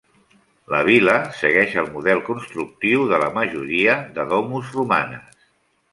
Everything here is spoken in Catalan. La vil·la segueix el model constructiu de la majoria de domus romanes.